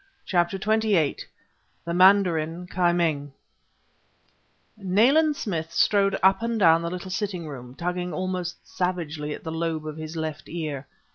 CHAPTER XXVIII THE MANDARIN KI MING Nayland Smith strode up and down the little sitting room, tugging almost savagely at the lobe of his left ear.